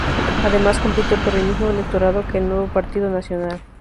Además compite por el mismo electorado que el Nuevo Partido Nacional.